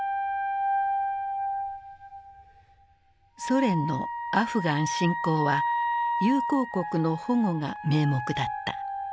ソ連のアフガン侵攻は友好国の保護が名目だった。